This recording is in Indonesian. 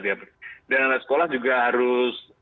dan anak sekolah juga harus